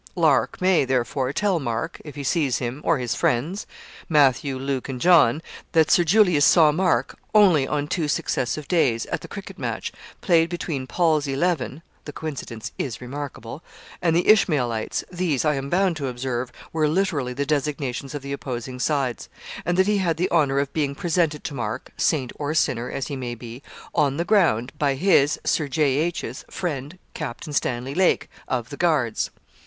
Lark may, therefore, tell Mark, if he sees him, or his friends Matthew, Luke, and John that Sir Julius saw Mark only on two successive days, at the cricket match, played between Paul's Eleven the coincidence is remarkable and the Ishmaelites (these, I am bound to observe, were literally the designations of the opposing sides); and that he had the honour of being presented to Mark saint or sinner, as he may be on the ground, by his, Sir J.H.'s, friend, Captain Stanley Lake, of the Guards.'